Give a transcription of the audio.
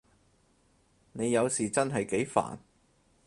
你有時真係幾煩